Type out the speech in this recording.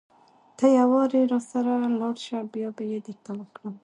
ته يوارې راسره لاړ شه بيا به يې درته وکړم.